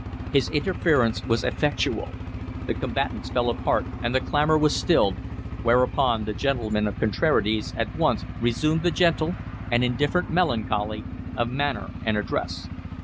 His interference was effectual. The combatants fell apart and the clamor was stilled, whereupon the gentleman of contrarieties at once resumed the gentle and indifferent melancholy of manner and address.